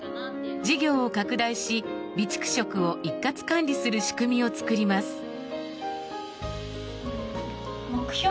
事業を拡大し、備蓄食を一括管理する仕組みを作ります。